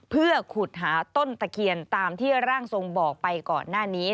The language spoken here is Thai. เพื่อขุดหาต้นตะเคียนตามที่ร่างทรงบอกไปก่อนหน้านี้